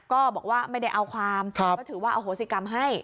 ก็บอกว่าไม่ได้เอาความก็ถือว่าอโหสิกรรมให้